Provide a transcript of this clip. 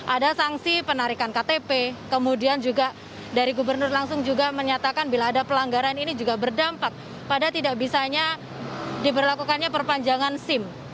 ada sanksi penarikan ktp kemudian juga dari gubernur langsung juga menyatakan bila ada pelanggaran ini juga berdampak pada tidak bisanya diberlakukannya perpanjangan sim